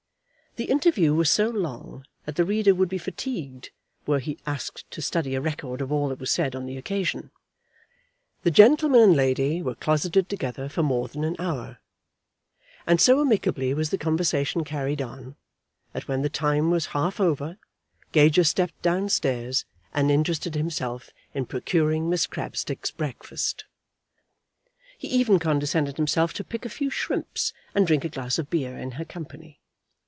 The interview was so long that the reader would be fatigued were he asked to study a record of all that was said on the occasion. The gentleman and lady were closeted together for more than an hour, and so amicably was the conversation carried on that when the time was half over Gager stepped down stairs and interested himself in procuring Miss Crabstick's breakfast. He even condescended himself to pick a few shrimps and drink a glass of beer in her company.